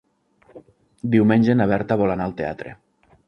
Diumenge na Berta vol anar al teatre.